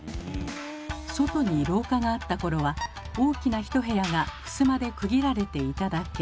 外に廊下があった頃は大きな一部屋がふすまで区切られていただけ。